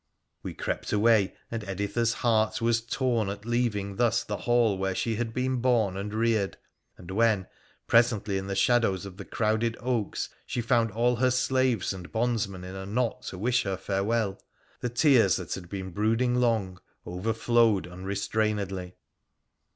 We crept away, and Editha's heart was torn at leaving thus the hall where she had been born and reared, and when, presently, in the shadows of the crowded oaks, she found all her slaves and bondsmen in a knot to wish her farewell, the tears that had been brooding long overflowed unrestrainedly.